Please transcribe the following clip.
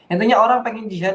intinya orang pengen jihad